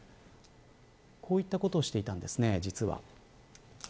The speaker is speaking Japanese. こういったことをしていたんです実は。